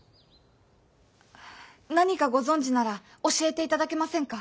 何かご存じなら教えていただけませんか？